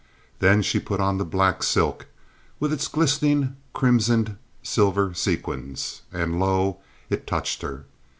Then she put on the black silk with its glistening crimsoned silver sequins, and, lo, it touched her.